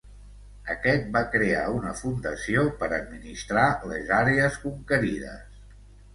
Aquest va crear una fundació per administrar les àrees conquerides.